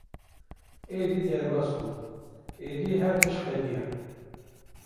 “Êdî derbas bû, êdî her tişt qediya!”